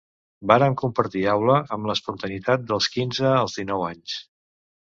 Vàrem compartir aula amb l’espontaneïtat dels quinze als dinou anys.